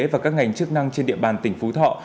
và các ngành chức năng trên địa bàn tỉnh phú thọ